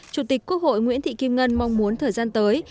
chủ tịch quốc hội nguyễn thị kim ngân mong muốn thời gian tới